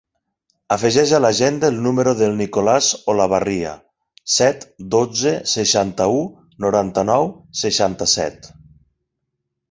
Afegeix a l'agenda el número del Nicolàs Olabarria: set, dotze, seixanta-u, noranta-nou, seixanta-set.